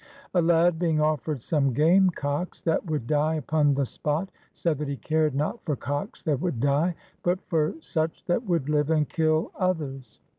A lad, being offered some game cocks that would die upon the spot, said that he cared not for cocks that would die, but for such that would live and kill others.